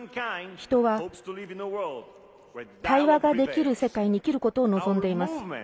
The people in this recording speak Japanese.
人は対話ができる世界に生きることを望んでいます。